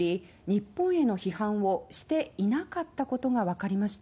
日本への批判をしていなかったことがわかりました。